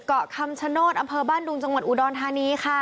เกาะคำชโนธอำเภอบ้านดุงจังหวัดอุดรธานีค่ะ